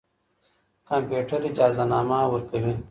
کمپيوټر اجازهنامه ورکوي.